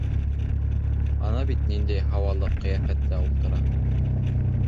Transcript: Ана бит ниндәй һауалы ҡиәфәттә ултыра!